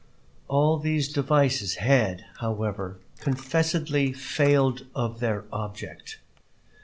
All these devices had, however, confessedly failed of their object.